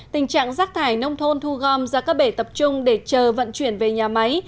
tình trạng rác thải nông thôn thu gom ra các bể tập trung để chờ vận chuyển về nhà máy